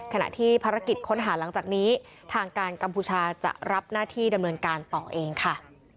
ขณะที่ภารกิจค้นหาหลังจากนี้ทางการกัมพูชาจะรับหน้าที่ดำเนินการต่อเองค่ะ